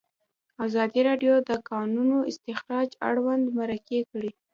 ازادي راډیو د د کانونو استخراج اړوند مرکې کړي.